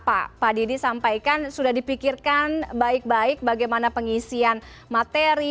tadi kalau pak diti sampaikan sudah dipikirkan baik baik bagaimana pengisian materi